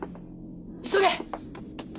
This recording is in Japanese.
急げ！